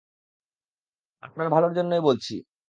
আপনার ভালোর জন্যই বলছি।